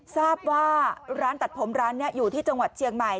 ทราบว่าร้านตัดผมร้านนี้อยู่ที่จังหวัดเชียงใหม่